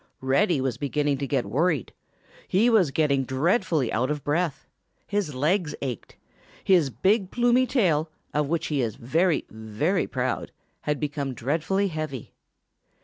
Reddy was beginning to get worried. He was getting dreadfully out of breath. His legs ached. His big, plumey tail, of which he is very, very proud, had become dreadfully heavy.